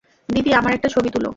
দিদি, আমার একটা ছবি তুলো।